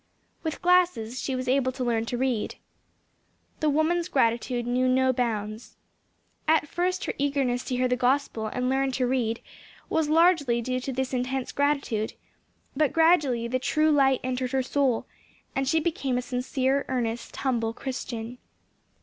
With glasses she was able to learn to read. The woman's gratitude knew no bounds. At first her eagerness to hear the Gospel and learn to read was largely due to this intense gratitude, but gradually the "True Light" entered her soul, and she became a sincere, earnest, humble Christian.